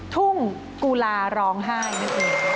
ทุ่งกุลาร้องไห้